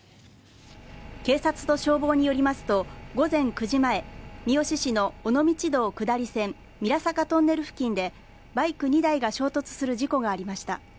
警察と消防によりますと午前９時前三次市の尾道道下り線三良坂トンネル付近でバイク２台が衝突する事故がありました。